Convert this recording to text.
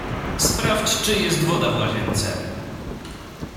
Sprawdź czy jest woda w łazience.